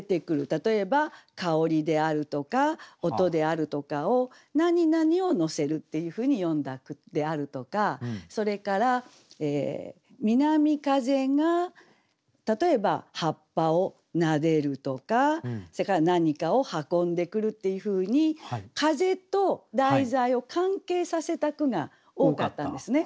例えば香りであるとか音であるとかをなになにを乗せるっていうふうに詠んだ句であるとかそれから南風が例えば葉っぱを撫でるとかそれから何かを運んでくるっていうふうに風と題材を関係させた句が多かったんですね。